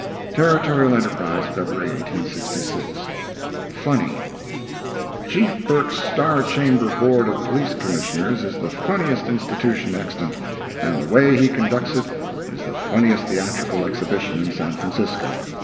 Territorial Enterprise, February 1866 FUNNY Chief Burke's Star Chamber Board of Police Commissioners is the funniest institution extant, and the way he conducts it is the funniest theatrical exhibition in San Francisco.